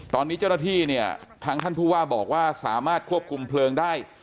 ตอนนี้เจ้าหน้าที่เนี่ยทางท่านผู้ว่าบอกว่าสามารถควบคุมเพลิงได้